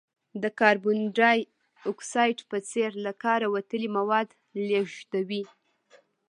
د کاربن ډای اکساید په څېر له کاره وتلي مواد لیږدوي.